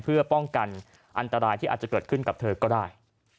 เพื่อป้องกันอันตรายที่อาจจะเกิดขึ้นกับเธอก็ได้